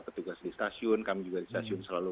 petugas di stasiun kami juga di stasiun selalu